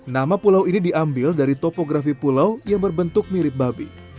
nama pulau ini diambil dari topografi pulau yang berbentuk mirip babi